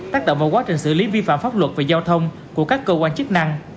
tác động vào quá trình xử lý vi phạm pháp luật về giao thông của các cơ quan chức năng